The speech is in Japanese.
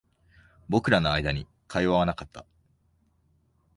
僕らの間に会話はなかった